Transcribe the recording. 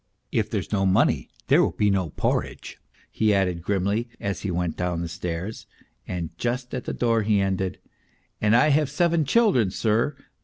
" "If there's no money there will be no porridge," he added grimly as he went down the stairs, and just at the door he ended :" And I have seven children, sir."